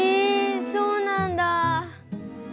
そうなんだ。